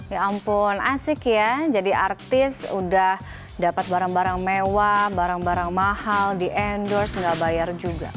ya ampun asik ya jadi artis udah dapat barang barang mewah barang barang mahal di endorse nggak bayar juga